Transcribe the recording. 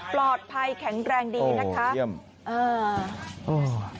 ปลอดภัยแข็งแรงดีนะคะโอ้โหเยี่ยมโอ้โห